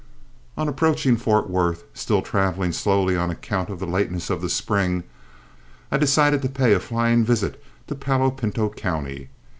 On approaching Fort Worth, still traveling slowly on account of the lateness of the spring, I decided to pay a flying visit to Palo Pinto County.